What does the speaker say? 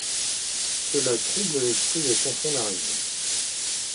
Cela trouble l’esprit et confond la raison.